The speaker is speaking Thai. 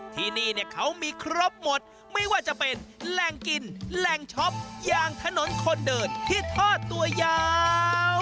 ที่นี่เนี่ยเขามีครบหมดไม่ว่าจะเป็นแหล่งกินแหล่งช็อปอย่างถนนคนเดินที่ทอดตัวยาว